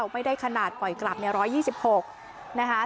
ไม่ได้ขนาดปล่อยกลับ๑๒๖นะคะ